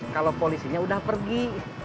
kalau kolenya udah pergi